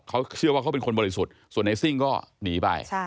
เขาเชื่อว่าเขาเป็นคนบริสุทธิ์ส่วนในซิ่งก็หนีไป